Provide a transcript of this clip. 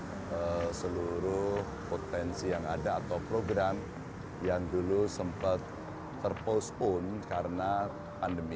ada seluruh potensi yang ada atau program yang dulu sempat terpostpun karena pandemi